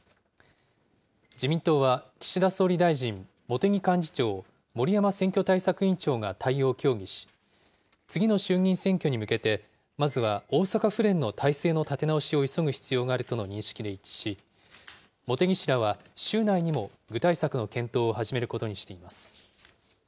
自民党は、岸田総理大臣、茂木幹事長、森山選挙対策委員長が対応を協議し、次の衆議院選挙に向けて、まずは大阪府連の体制の立て直しを急ぐ必要があるとの認識で一致し、茂木氏らは、週内にも具体策の検討を始めることにしています。